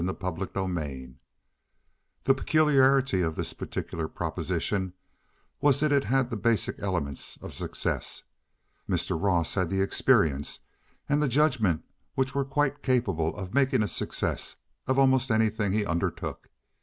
CHAPTER XLIX The peculiarity of this particular proposition was that it had the basic elements of success. Mr. Ross had the experience and the judgment which were quite capable of making a success of almost anything he undertook.